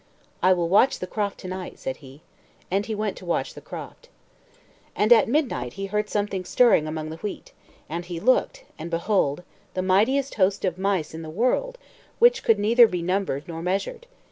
"I will watch the croft to night," said he. And he went to watch the croft. And at midnight he heard something stirring among the wheat; and he looked, and behold, the mightiest host of mice in the world, which could neither be numbered nor measured.